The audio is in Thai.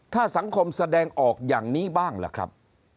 ถ้าสังคมแสดงออกอย่างนี้บ้างล่ะครับ